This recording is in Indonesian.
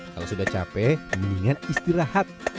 kalau sudah capek mendingan istirahat